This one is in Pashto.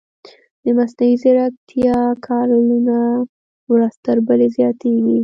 د مصنوعي ځیرکتیا کاریالونه ورځ تر بلې زیاتېږي.